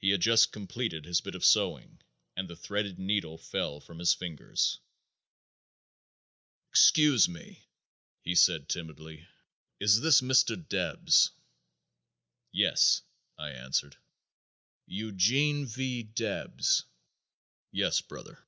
He had just completed his bit of sewing and the threaded needle fell from his fingers. "Excuse me!" he said timidly, "is this Mr. Debs?" "Yes," I answered. "Eugene V. Debs?" "Yes, brother."